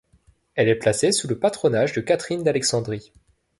Elle est placée sous le patronage de Catherine d'Alexandrie.